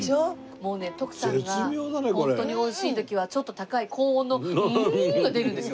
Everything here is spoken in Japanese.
もうね徳さんがホントに美味しい時はちょっと高い高音の「ん」が出るんですよ。